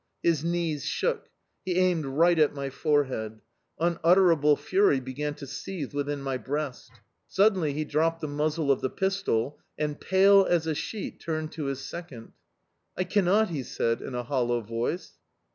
His knees shook. He aimed right at my forehead... Unutterable fury began to seethe within my breast. Suddenly he dropped the muzzle of the pistol and, pale as a sheet, turned to his second. "I cannot," he said in a hollow voice.